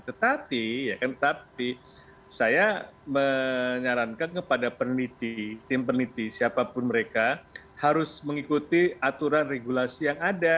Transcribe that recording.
tetapi saya menyarankan kepada peneliti tim peneliti siapapun mereka harus mengikuti aturan regulasi yang ada